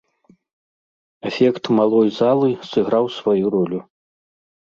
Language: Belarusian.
Эфект малой залы сыграў сваю ролю.